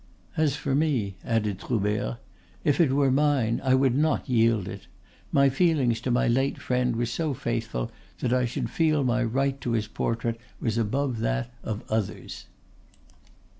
As for me," added Troubert, "if it were mine I would not yield it. My feelings to my late friend were so faithful that I should feel my right to his portrait was above that of others."